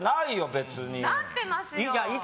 別に！